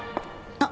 あっ！